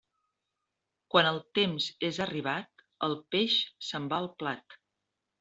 Quan el temps és arribat, el peix se'n va al plat.